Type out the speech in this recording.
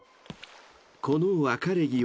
［この別れ際